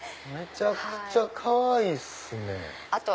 めちゃくちゃかわいいっすね！